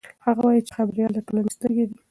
هغه وایي چې خبریال د ټولنې سترګې دي.